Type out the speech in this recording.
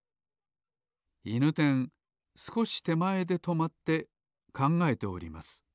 いぬてんすこしてまえでとまってかんがえております